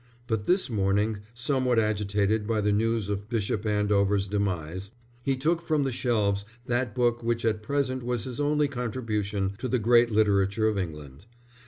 But this morning, somewhat agitated by the news of Bishop Andover's demise, he took from the shelves that book which at present was his only contribution to the great literature of England.